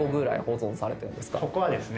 ここはですね。